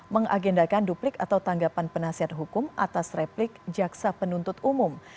mengagendakan duplik atau tanggapan penasihat hukum atas replik jaksa penuntut umum